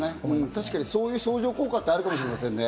確かにそういう相乗効果もあるかもしれませんね。